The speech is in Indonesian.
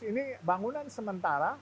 ini bangunan sementara